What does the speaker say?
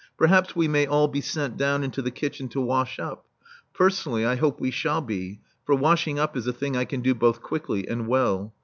Perhaps we may all be sent down into the kitchen to wash up. Personally, I hope we shall be, for washing up is a thing I can do both quickly and well.